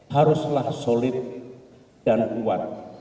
haruslah solid dan kuat